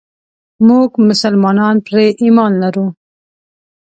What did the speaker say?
موږ مسلمانان پرې ايمان لرو.